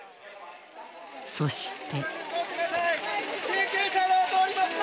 そして。